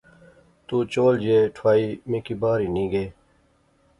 تو چول جئے ٹھوائی میں کی بہار ہنی گئے